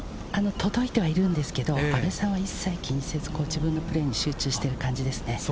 届いてはいるんですが阿部さんは一切気にせず自分のプレーに集中している感じです。